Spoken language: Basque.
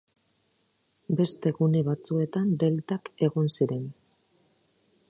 Beste gune batzuetan deltak egon ziren.